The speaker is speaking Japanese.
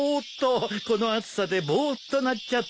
この暑さでボーッとなっちゃって。